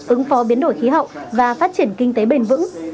ứng phó biến đổi khí hậu và phát triển kinh tế bền vững